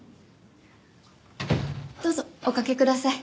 どうぞおかけください。